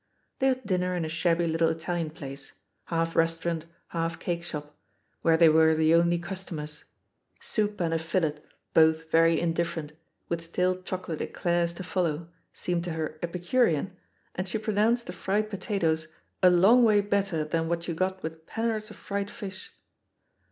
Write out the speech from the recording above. They had dinner in a shabby little Italian place — ^half restaurant, half cake shop — ^where they were the only customers. Soup and a fillet, both very indifferent, with stale chocolate eclairs to follow, seemed to her epicurean, and she pro nounced the fried potatoes "a long way better than what you got with pen'orths of fried fish."